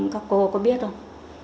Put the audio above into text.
các cô có biết không